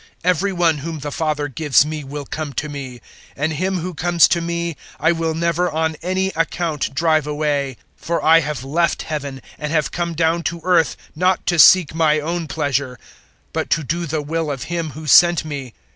006:037 Every one whom the Father gives me will come to me, and him who comes to me I will never on any account drive away. 006:038 For I have left Heaven and have come down to earth not to seek my own pleasure, but to do the will of Him who sent me.